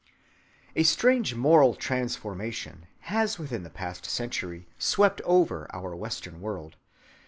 A strange moral transformation has within the past century swept over our Western world.